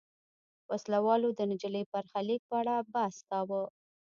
وسله والو د نجلۍ برخلیک په اړه بحث کاوه.